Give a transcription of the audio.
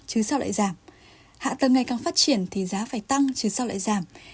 chứ sao lại giảm hạ tầng ngày càng phát triển thì giá phải tăng chứ sao lại giảm